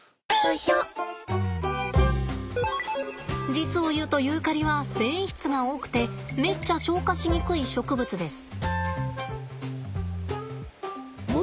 実を言うとユーカリは繊維質が多くてめっちゃ消化しにくい植物です。